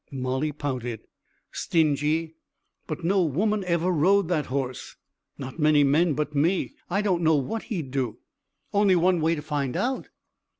Molly pouted. "Stingy!" "But no woman ever rode that horse not many men but me. I don't know what he'd do." "Only one way to find out."